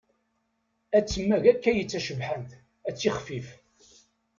Ad temmag akkayi d tacebḥant, ad tixfif.